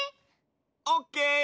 オッケー！